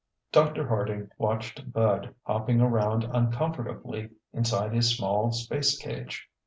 Dr. Harding watched Bud hopping around uncomfortably inside his small space cage.